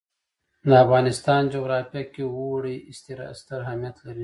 د افغانستان جغرافیه کې اوړي ستر اهمیت لري.